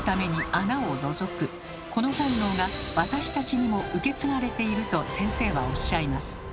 この本能が私たちにも受け継がれていると先生はおっしゃいます。